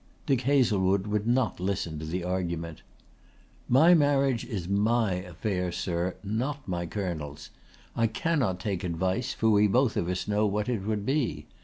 Dick Hazlewood would not listen to the argument. "My marriage is my affair, sir, not my Colonel's. I cannot take advice, for we both of us know what it would be.